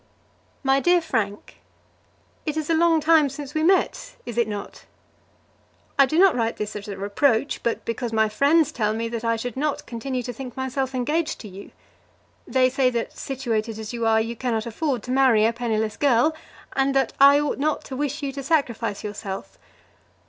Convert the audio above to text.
MY DEAR FRANK, It is a long time since we met; is it not? I do not write this as a reproach; but because my friends tell me that I should not continue to think myself engaged to you. They say that, situated as you are, you cannot afford to marry a penniless girl, and that I ought not to wish you to sacrifice yourself.